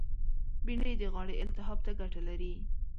بېنډۍ د غاړې التهاب ته ګټه لري